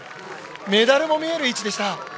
メダルも見える位置でした。